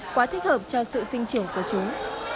quá thích hợp cho sự sinh trưởng của chúng